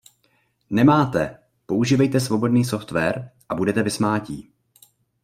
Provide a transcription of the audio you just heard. Nemáte, používejte svobodný software a budete vysmátí!